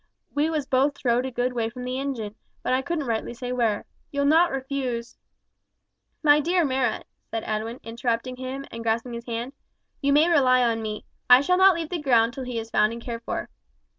We was both throw'd a good way from the ingine, but I couldn't rightly say where. You'll not refuse " "My dear Marrot," said Edwin, interrupting him, and grasping his hand, "you may rely on me. I shall not leave the ground until he is found and cared for."